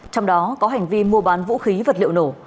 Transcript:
trong đó có hành vi mua bán vũ khí vật liệu nổ